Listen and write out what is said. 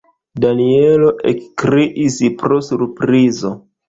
Danjelo ekkriis pro surprizo.